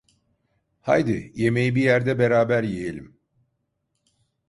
Haydi, yemeği bir yerde beraber yiyelim.